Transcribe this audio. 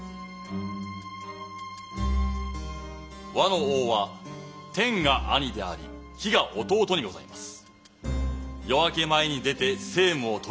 倭の王は天が兄であり日が弟にございます。